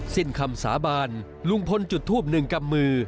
สิ้นคำสาบานลุงพลจุดทูบหนึ่งกำมือ